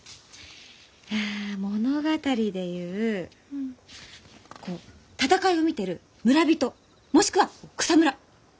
あ物語で言うこう戦いを見てる村人もしくは草むら！